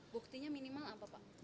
buktinya minimal apa pak